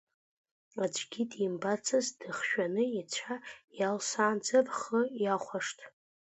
Аӡәгьы димбацызт дыхжәаны, ицәа иалсаанӡа рхы иахәашт…